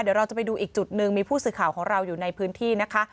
เดี๋ยวเราจะไปดูอีกจุดหนึ่งมีผู้สื่อข่าวของเราอยู่ในพื้นที่นะคะ